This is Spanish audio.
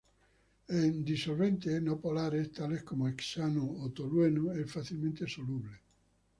En disolventes no polares tales como hexano o tolueno es fácilmente soluble.